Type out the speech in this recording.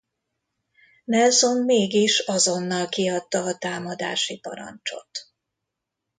Nelson mégis azonnal kiadta a támadási parancsot.